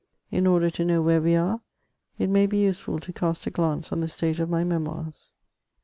In order to know where we are, it may be useful to cast a glance on the state of my Memoirs.